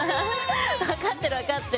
分かってる分かってる。